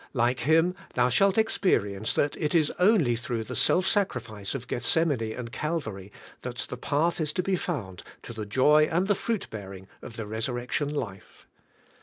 Like Him, thou shalt experience that it is only through the self sacri fice of Gethsemane and Calvary that the path is to be found to the joy and the fruit bearing of the resur rection life.